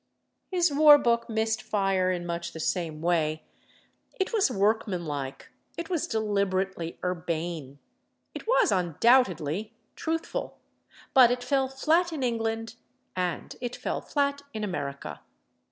His war book missed fire in much the same way. It was workmanlike, it was deliberately urbane, it was undoubtedly truthful—but it fell flat in England and it fell flat in America.